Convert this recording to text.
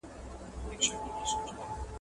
په یوه خېز د کوهي سرته سو پورته ..